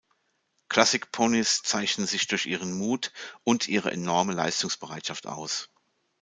Classic-Ponys zeichnen sich durch ihren Mut und ihre enorme Leistungsbereitschaft aus.